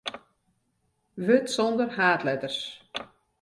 Wurd sonder haadletters.